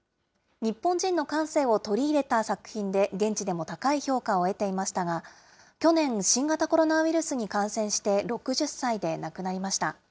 日本人の感性を取り入れた作品で、現地でも高い評価を得ていましたが、去年、新型コロナウイルスに感染して、６０歳で亡くなりました。